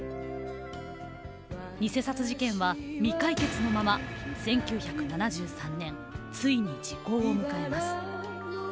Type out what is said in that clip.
偽札事件は未解決のまま１９７３年ついに時効を迎えます。